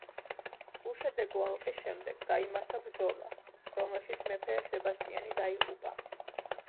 უშედეგო ალყის შემდეგ გაიმართა ბრძოლა, რომელშიც მეფე სებასტიანი დაიღუპა.